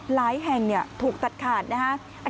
หลายแห่งถูกตัดขาดนะฮะ